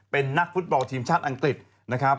เป็นนักฟุตบอลทีมชาติอังกฤษนะครับ